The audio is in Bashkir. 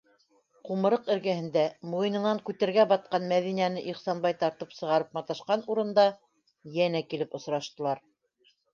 Ҡумырыҡ эргәһендә, муйынынан күтергә батҡан Мәҙинәне Ихсанбай тартып сығарып маташҡан урында йәнә килеп осраштылар.